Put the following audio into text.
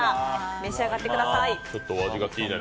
召し上がってください。